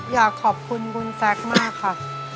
อยากขอบคุณคุณแซคมากค่ะ